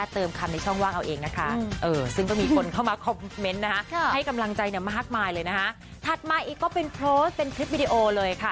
มาอีกก็เป็นโพสต์เป็นคลิปวิดีโอเลยค่ะ